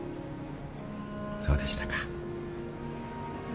そうでしたか。